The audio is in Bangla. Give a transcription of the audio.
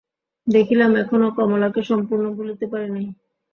দেখিলাম এখনো কমলাকে সম্পূর্ণ ভুলিতে পারি নাই।